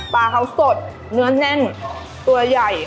ปลาเขาสดเนื้อแน่นตัวใหญ่